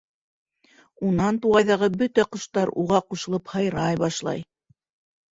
Унан туғайҙағы бөтә ҡоштар уға ҡушылып һайрай башлай...